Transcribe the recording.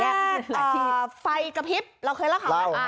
แยกไฟกะพิบเราเคยเล่าข่าวไหม